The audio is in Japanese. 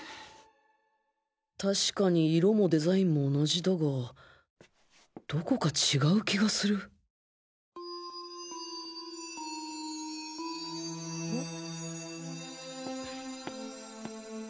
確かに色もデザインも同じだがどこか違う気がするん？